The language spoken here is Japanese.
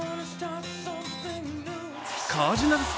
カージナルス